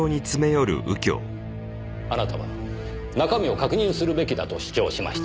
あなたは中身を確認するべきだと主張しました。